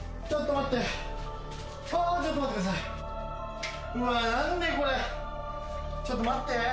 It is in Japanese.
ちょっと待って待って。